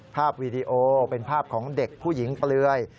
วีดีโอเป็นภาพของเด็กผู้หญิงเปลือย